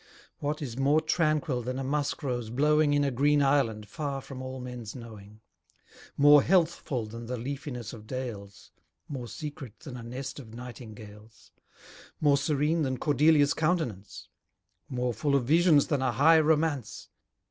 What is more tranquil than a musk rose blowing In a green island, far from all men's knowing? More healthful than the leafiness of dales? More secret than a nest of nightingales? More serene than Cordelia's countenance? More full of visions than a high romance?